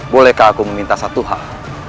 bolehkah aku meminta satu hal